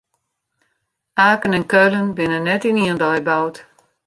Aken en Keulen binne net yn ien dei boud.